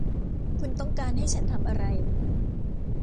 คุณต้องการให้ฉันทำอะไร ?